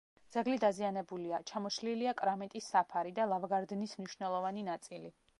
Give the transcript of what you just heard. ძეგლი დაზიანებულია: ჩამოშლილია კრამიტის საფარი და ლავგარდნის მნიშვნელოვანი ნაწილი.